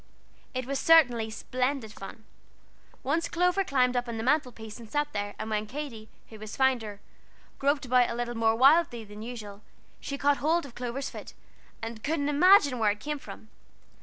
It was certainly splendid fun. Once Clover climbed up on the mantel piece and sat there, and when Katy, who was finder, groped about a little more wildly than usual, she caught hold of Clover's foot, and couldn't imagine where it came from.